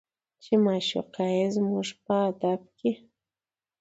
چې معشوقه زموږ په ادب کې